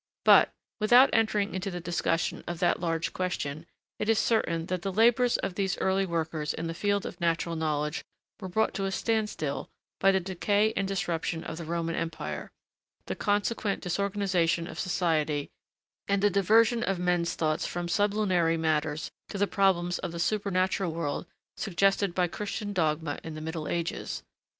But, without entering into the discussion of that large question, it is certain that the labors of these early workers in the field of natural knowledge were brought to a standstill by the decay and disruption of the Roman Empire, the consequent disorganisation of society, and the diversion of men's thoughts from sublunary matters to the problems of the supernatural world suggested by Christian dogma in the Middle Ages.